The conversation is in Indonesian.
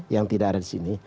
yang tidak ada disini